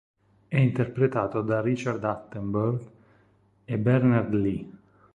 È interpretato da Richard Attenborough e Bernard Lee.